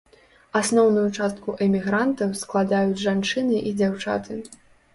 Асноўную частку эмігрантаў складаюць жанчыны і дзяўчаты.